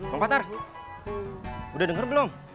bang patar udah denger belum